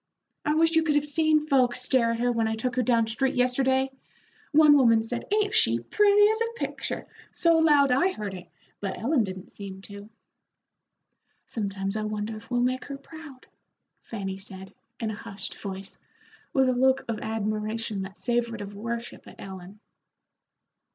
I wish you could have seen folks stare at her when I took her down street yesterday. One woman said, 'Ain't she pretty as a picture,' so loud I heard it, but Ellen didn't seem to." "Sometimes I wonder if we'll make her proud," Fanny said, in a hushed voice, with a look of admiration that savored of worship at Ellen.